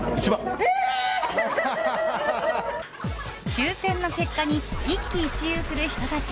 抽選の結果に一喜一憂する人たち。